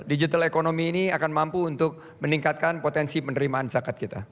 digital economy ini akan mampu untuk meningkatkan potensi penerimaan zakat kita